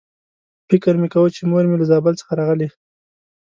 فکر مې کاوه چې مور مې له زابل څخه راغلې.